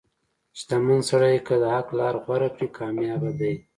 • شتمن سړی که د حق لار غوره کړي، کامیابه دی.